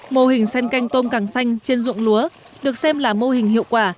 mô hình sen canh tôm càng xanh trên dụng lúa được xem là mô hình hiệu quả